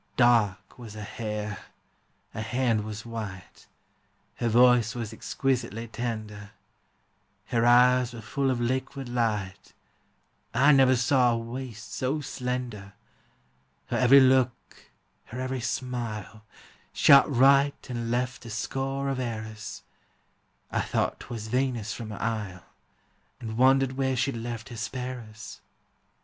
Dark was her hair; her hand was white; Her voice was exquisitely tender; Her eyes were full of liquid light; I never saw a waist so slender; Her every look, her every smile, Shot right and left a score of arrows: I thought 'twas Venus from her isle, And wondered where she'd left her sparrows.